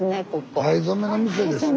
藍染めの店ですね。